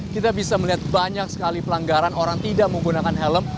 kita bisa melihat banyak sekali pelanggaran orang tidak menggunakan helm